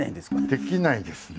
できないですね。